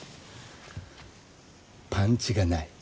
パンチがない。